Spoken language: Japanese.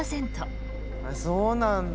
そうなんだ